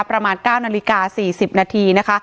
ประมาณ๙นาฬิกา๔๐นาทีนะคะ